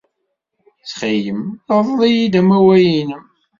Ttxil-m, rḍel-iyi-d amawal-nnem.